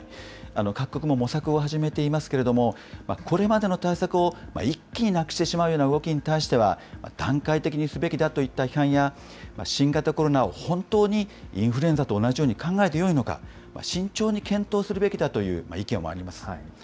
各国も模索を始めていますけれども、これまでの対策を一気になくしてしまうような動きに対しては、段階的にすべきだといった批判や、新型コロナを本当にインフルエンザと同じように考えてよいのか、慎重に検討するべきだという意見もあります。